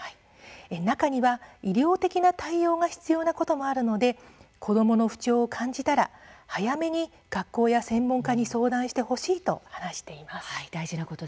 中には、医療的な対応が必要なこともあるので子どもの不調を感じたら早めに学校や専門家に相談してほしいと話しています。